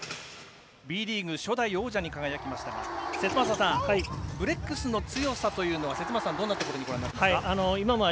Ｂリーグ初代王者に輝きましたがブレックスの強さというのはどの辺りにご覧になってますか。